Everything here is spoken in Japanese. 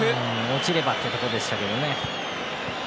落ちればというところでしたね。